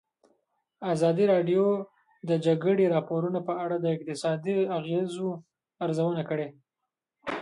ازادي راډیو د د جګړې راپورونه په اړه د اقتصادي اغېزو ارزونه کړې.